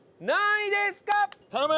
頼む！